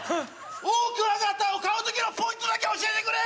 オオクワガタを飼う時のポイントだけ教えてくれ！